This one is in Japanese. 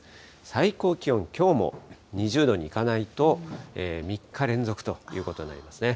最高気温、きょうも２０度にいかないと３日連続ということになりますね。